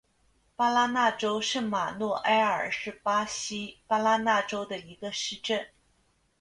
巴拉那州圣马诺埃尔是巴西巴拉那州的一个市镇。